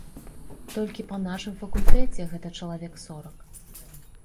Толькі па нашым факультэце гэта чалавек сорак.